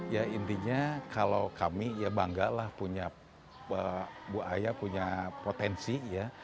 ya intinya kalau kami ya bangga lah punya buaya punya potensi ya